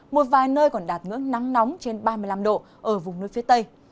một vài nơi còn đạt ngưỡng nắng nóng trên ba mươi năm độ ở vùng núi phía tây